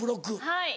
はい。